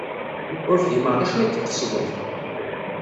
Ur fhimeɣ d acu ay d-tqesdeḍ.